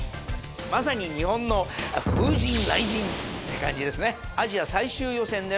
まさに日本の風神雷神って感じですね。